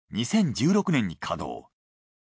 ２０１６年に稼働。